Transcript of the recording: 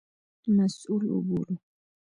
مسوول وبولو.